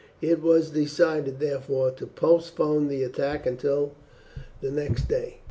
It was decided, therefore, to postpone the attack until the next day.